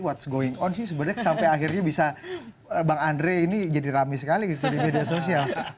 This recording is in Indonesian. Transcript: what's going on sih sebenarnya sampai akhirnya bisa bang andre ini jadi ramai sekali di media sosial